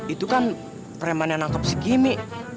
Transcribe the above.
itu kan preman yang nangkep si kimi